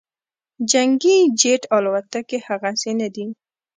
جنګي جیټ الوتکې هغسې نه دي